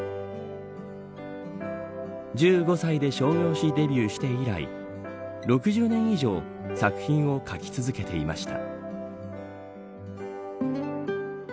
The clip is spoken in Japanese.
１５歳で商業誌デビューして以来６０年以上作品を描き続けていました。